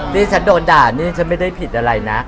ที่ฉันโดนด่านี่ฉันไม่ได้ผิดอะไรนะ